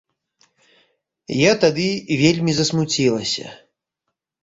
Я тады вельмі засмуцілася.